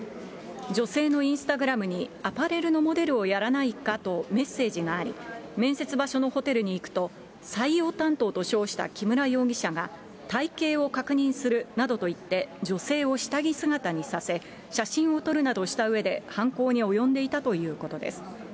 女性のインスタグラムにアパレルのモデルをやらないかとメッセージがあり、面接場所のホテルに行くと、採用担当と称した木村容疑者が、体形を確認するなどと言って、女性を下着姿にさせ、写真を撮るなどしたうえで、犯行に及んでいたということです。